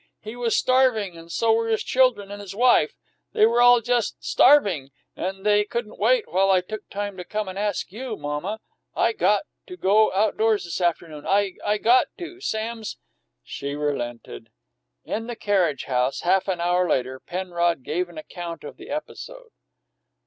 He was starving and so were his children and his wife. They were all just starving and they couldn't wait while I took time to come and ask you, mamma. I got to go outdoors this afternoon. I got to! Sam's " She relented. In the carriage house, half an hour later, Penrod gave an account of the episode.